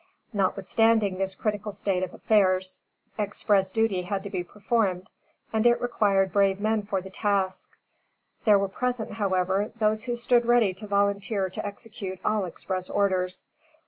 Notwithstanding this critical state of affairs, express duty had to be performed, and it required brave men for the task. There were present, however, those who stood ready to volunteer to execute all express orders.